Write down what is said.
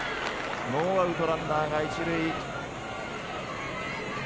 ノーアウト、ランナーが１塁。